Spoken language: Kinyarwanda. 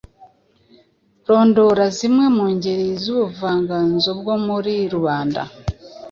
Rondora zimwe mu ngeri z’ubuvanganzo bwo muri rubanda